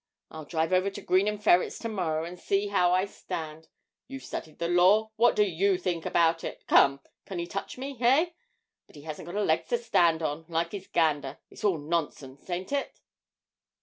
I'll drive over to Green & Ferret's to morrow, and see how I stand. You've studied the law. What do you think about it, come? Can he touch me, eh? But he hasn't got a leg to stand on, like his gander it's all nonsense, ain't it?'